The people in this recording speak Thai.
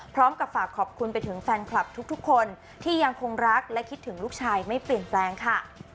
พร้อมกับฝากขอบคุณไปถึงแฟนคลับทุกคนที่ยังคงรักและคิดถึงลูกชายไม่เปลี่ยนแปลงค่ะ